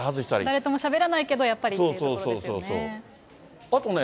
誰ともしゃべらないけど、やっぱりというところですよね。